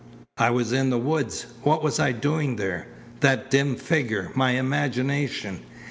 I was in the woods. What was I doing there? That dim figure! My imagination."